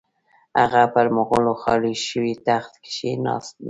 هغه پر مغولو خالي شوي تخت کښې نه ناست.